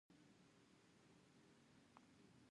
درې نوي یمه پوښتنه د پی آر آر په اړه ده.